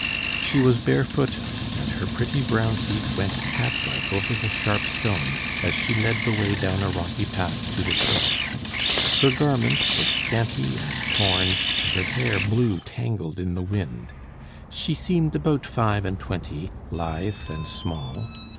She was barefooted, and her pretty brown feet went catlike over the sharp stones, as she led the way down a rocky path to the shore. Her garments were scanty and torn, and her hair blew tangled in the wind. She seemed about five and twenty, lithe and small.